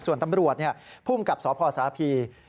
ส่วนตำรวจภูมิกับสพสารพี